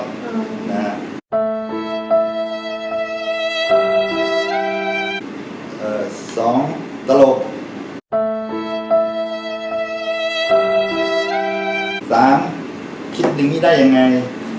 สองตะโลกสามคิดถึงนี้ได้ยังไง